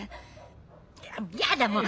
やだもう！